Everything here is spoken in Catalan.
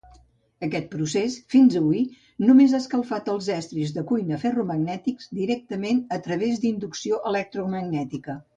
Aquest procés fins avui només ha escalfat els estris de cuina ferromagnètics directament a través d'inducció electromagnètica.